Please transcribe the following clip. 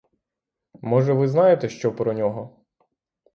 Може, ви знаєте що про нього?